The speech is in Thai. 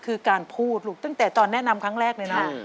คือการพูดลูกตั้งแต่ตอนแนะนำครั้งแรกเลยนะ